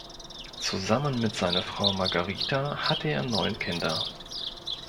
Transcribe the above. Zusammen mit seiner Frau Margarita hatte er neun Kinder.